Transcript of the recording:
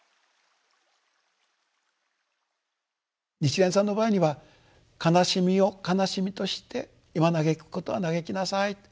日蓮さんの場合には悲しみを悲しみとして今嘆くことは嘆きなさいと。